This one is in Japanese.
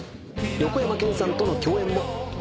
横山剣さんとの共演も。